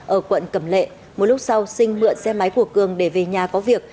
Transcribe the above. ở quận cẩm lệ một lúc sau sinh mượn xe máy của cường để về nhà có việc